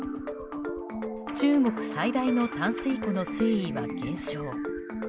中国最大の淡水湖の水位は減少。